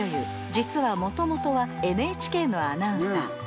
実は元々はＮＨＫのアナウンサー